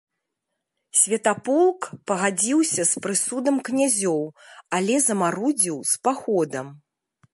Святаполк пагадзіўся з прысудам князёў, але замарудзіў з паходам.